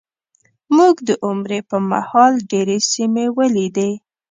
موږ د عمرې په مهال ډېرې سیمې ولیدې.